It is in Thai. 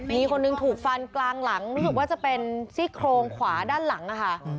มีคนหนึ่งถูกฟันกลางหลังรู้สึกว่าจะเป็นซี่โครงขวาด้านหลังค่ะ